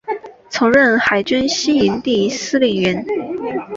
曾任海军西营基地司令员。